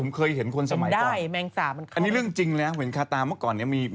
เป็นความเชื่อแล้วล่ะว่าดี